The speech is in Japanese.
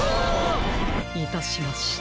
いたしました。